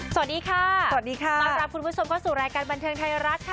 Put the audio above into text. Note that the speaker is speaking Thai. สวัสดีค่ะสวัสดีค่ะต้อนรับคุณผู้ชมเข้าสู่รายการบันเทิงไทยรัฐค่ะ